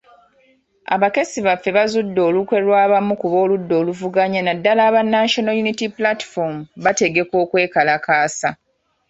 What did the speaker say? Abakessi baffe bazudde olukwe lw'abamu ku b'oludda oluvuganya naddala aba National Unity Platform, bategeka okwekalakaasa.